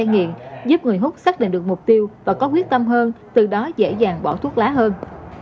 nghiện giúp người hút xác định được mục tiêu và có quyết tâm hơn từ đó dễ dàng bỏ thuốc lá hơn